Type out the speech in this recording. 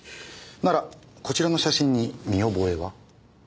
ならこちらの写真に見覚えは？